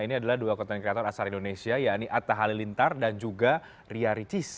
ini adalah dua konten kreator asal indonesia yaitu atta halilintar dan juga ria ricis